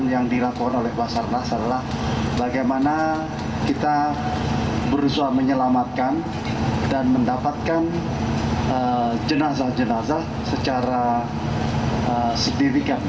yang dilakukan oleh basarnas adalah bagaimana kita berusaha menyelamatkan dan mendapatkan jenazah jenazah secara signifikan